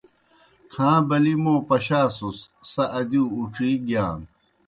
کھاں بلِی موْ پشاسُس سہ ادِیؤ اُڇِی گِیان۔